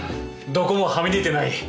どこもはみ出てない。